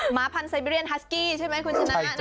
หมาพันธ์ไซเบรียนฮัสกี้ใช่ไหมคุณชนะ